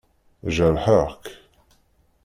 Jerḥeɣ-k?